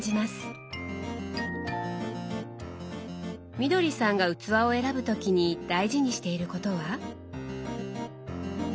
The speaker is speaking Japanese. みどりさんが器を選ぶ時に大事にしていることは？